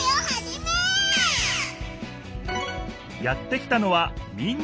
やって来たのは民